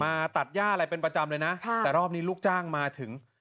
ตัดย่าอะไรเป็นประจำเลยนะค่ะแต่รอบนี้ลูกจ้างมาถึง